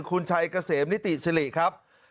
คุณชัยเกษมนิติสิริครับ